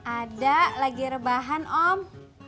ada lagi rebahan om